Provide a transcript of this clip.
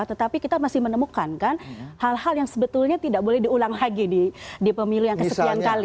tetapi kita masih menemukan kan hal hal yang sebetulnya tidak boleh diulang lagi di pemilu yang kesekian kali